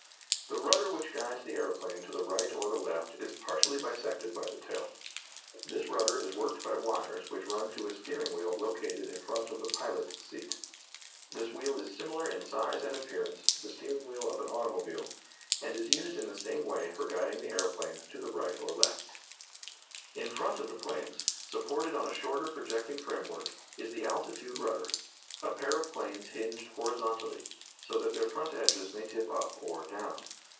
The rudder which guides the aeroplane to the right or the left is partially bisected by the tail. This rudder is worked by wires which run to a steering wheel located in front of the pilot's seat. This wheel is similar in size and appearance to the steering wheel of an automobile, and is used in the same way for guiding the aeroplane to the right or left. (See illustration of the Curtiss machine in Chapter V.) In front of the planes, supported on a shorter projecting framework, is the altitude rudder, a pair of planes hinged horizontally, so that their front edges may tip up or down.